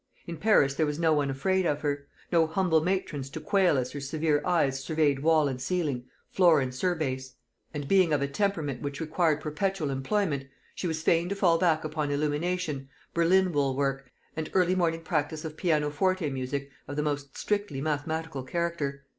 In Paris there was no one afraid of her; no humble matrons to quail as her severe eyes surveyed wall and ceiling, floor and surbase. And being of a temperament which required perpetual employment, she was fain to fall back upon illumination, Berlin wool work, and early morning practice of pianoforte music of the most strictly mathematical character.